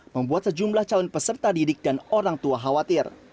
membuat sejumlah calon peserta didik dan orang tua khawatir